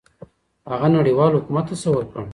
هغه نړيوال حکومت تصور کړ.